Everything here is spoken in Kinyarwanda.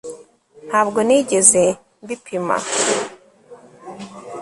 ntabwo nigeze mbipima